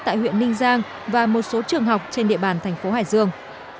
tại huyện ninh giang và một số trường học trên địa bàn thành phố hải dương